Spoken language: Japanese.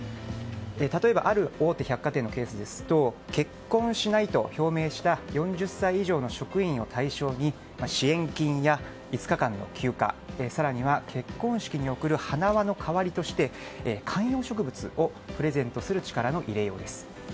例えばある大手百貨店のケースですと結婚しないと表明した４０歳以上の職員を対象に支援金や５日間の休暇更には結婚式に贈る花輪の代わりとして観葉植物をプレゼントする力の入れようです。